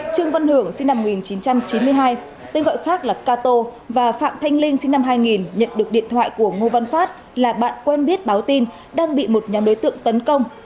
trương văn hưởng sinh năm một nghìn chín trăm chín mươi hai tên gọi khác là cato và phạm thanh linh sinh năm hai nghìn nhận được điện thoại của ngô văn phát là bạn quen biết báo tin đang bị một nhóm đối tượng tấn công